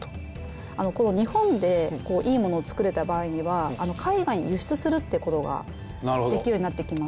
こうこの日本でいいものを作れた場合には海外に輸出するってことができるようになってきます。